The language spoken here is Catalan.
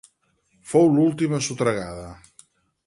Fou l'última sotragada.